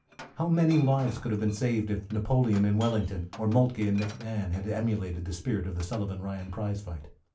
How many lives could have been saved if Napoleon and Wellington, or Moltke and McMahon had emulated the spirit of the Sullivan Ryan prize fight!